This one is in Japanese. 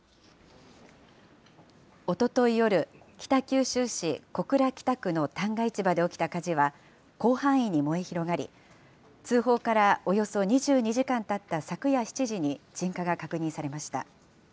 おととい夜、北九州市小倉北区の旦過市場で起きた火事は、広範囲に燃え広がり、通報からおよそ２２時間たった昨夜７時に鎮火が確認されました。